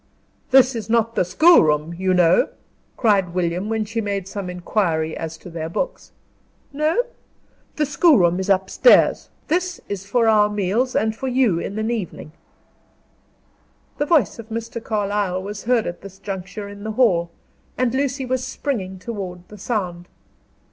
"This is not the schoolroom, you know," cried William, when she made some inquiry as to their books. "No?" "The schoolroom is upstairs. This is for our meals, and for you in an evening." The voice of Mr. Carlyle was heard at this juncture in the hall, and Lucy was springing toward the sound.